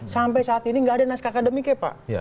sampai saat ini nggak ada naskah akademik ya pak